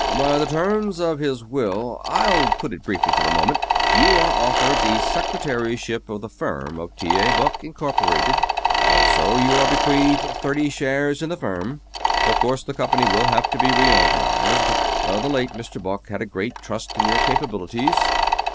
By the terms of his will I'll put it briefly, for the moment you are offered the secretaryship of the firm of T. A. Buck, Incorporated. Also you are bequeathed thirty shares in the firm. Of course, the company will have to be reorganized. The late Mr. Buck had great trust in your capabilities."